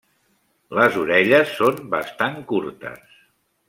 Les orelles són bastant curtes.